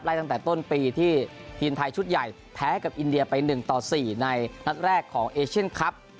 ตั้งแต่ต้นปีที่ทีมไทยชุดใหญ่แพ้กับอินเดียไป๑ต่อ๔ในนัดแรกของเอเชียนคลับ